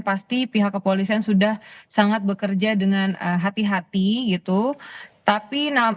pasti pihak kepolisian sudah sangat bekerja dengan hati hati gitu tapi